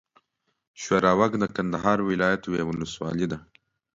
ښوراوک د کندهار ولايت یوه اولسوالي ده.